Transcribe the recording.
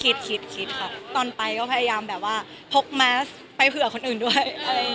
คิดคิดครับตอนไปก็พยายามแบบว่าพกแมสไปเผื่อคนอื่นด้วย